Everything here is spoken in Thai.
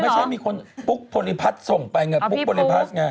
ไม่ใช่มีคนปุ๊กพลิพัฒน์ส่งไปไงปุ๊กบริพัฒน์ไง